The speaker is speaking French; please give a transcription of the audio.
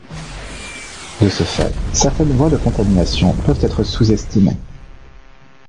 De ce fait, certains voies de contamination peuvent être sous-estimées.